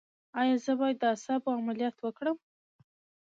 ایا زه باید د اعصابو عملیات وکړم؟